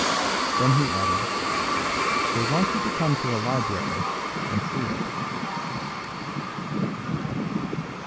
Then he added: "They want you to come to the library and see it."